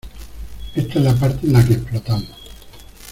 ¡ Esta es la parte en la que explotamos!